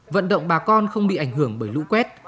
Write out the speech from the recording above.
vận động bà con không bị ảnh hưởng bởi lũ quét